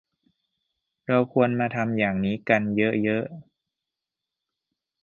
เราควรมาทำอย่างนี้กันเยอะเยอะ